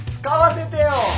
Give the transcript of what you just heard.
使わせてよ。